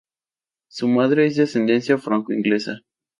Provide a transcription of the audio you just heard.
Su madre es de ascendencia franco-inglesa.